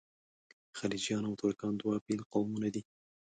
خلجیان او ترکان دوه بېل قومونه دي.